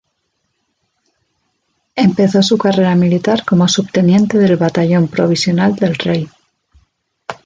Empezó su carrera militar como subteniente del Batallón Provisional del Rey.